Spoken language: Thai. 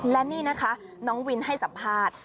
และนี่นะคะน้องวินให้สัมภาษณ์